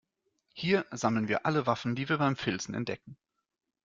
Hier sammeln wir alle Waffen, die wir beim Filzen entdecken.